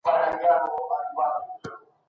د جبري ودونو مخه نیول کیده.